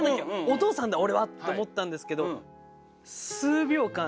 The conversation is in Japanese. お父さんだ俺は！って思ったんですけど数秒間